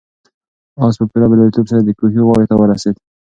آس په پوره بریالیتوب سره د کوهي غاړې ته ورسېد.